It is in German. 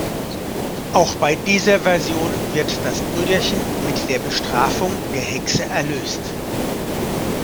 Auch bei dieser Version wird das Brüderchen mit der Bestrafung der Hexe erlöst.